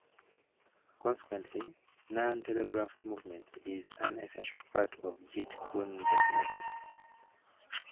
Consequently, non-telegraphed movement is an essential part of Jeet Kune Do philosophy.